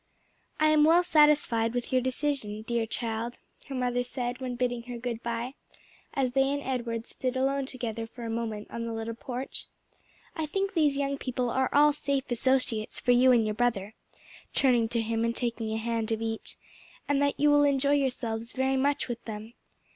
"I am well satisfied with your decision, dear child," her mother said when bidding her good bye, as they and Edward stood alone together for a moment on the little porch. "I think these young people are all safe associates for you and your brother," turning to him and taking a hand of each, "and that you will enjoy yourselves very much with them.